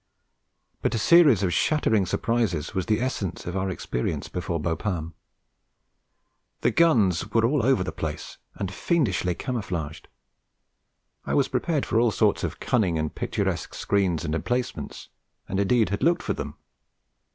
But a series of shattering surprises was the essence of our experience before Bapaume. The guns were all over the place, and fiendishly camouflaged. I was prepared for all sorts of cunning and picturesque screens and emplacements, and indeed had looked for them.